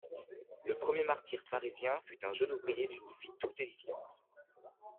Le premier martyr parisien fut un jeune ouvrier d'une vie tout édifiante.